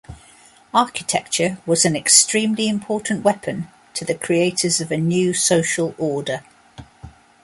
Architecture was an extremely important weapon to the creators of a new social order.